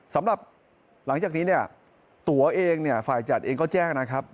สำหรับหลังจากนี้ตั๋วเองไฟล์จัดเองก็แจ้งนะครับ